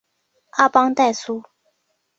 阿邦代苏。